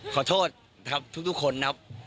ขอโทษครับทุกคนครับ